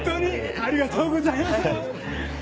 ありがとうございます！